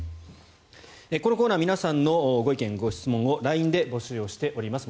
このコーナー皆さんのご意見・ご質問をＬＩＮＥで募集しております。